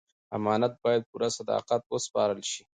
امانت باید په پوره صداقت وسپارل شي.